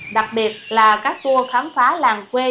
đặc biệt là các tour khám phá làng quê